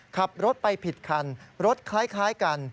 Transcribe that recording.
ขับรถไปผิดคันรถคล้ายกัน